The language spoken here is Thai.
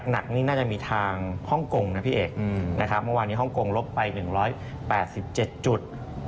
หนักนี่น่าจะมีทางฮ่องกงนะพี่เอกนะครับเมื่อวานนี้ฮ่องกงลบไป๑๘๗จุด